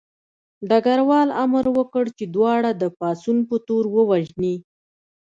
ډګروال امر وکړ چې دواړه د پاڅون په تور ووژني